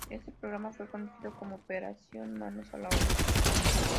Este programa fue conocido como Operación Manos a la Obra.